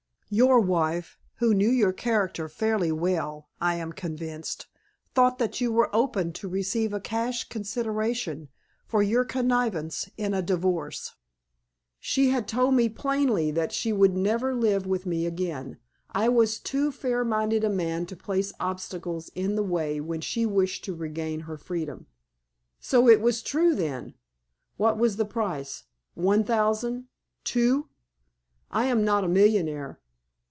"Your wife, who knew your character fairly well, I am convinced, thought that you were open to receive a cash consideration for your connivance in a divorce." "She had told me plainly that she would never live with me again. I was too fair minded a man to place obstacles in the way when she wished to regain her freedom." "So it was true, then. What was the price? One thousand—two? I am not a millionaire."